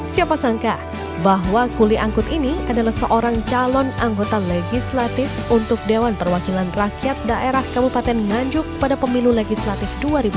siapa sangka bahwa kuli angkut ini adalah seorang calon anggota legislatif untuk dewan perwakilan rakyat daerah kabupaten nganjuk pada pemilu legislatif dua ribu sembilan belas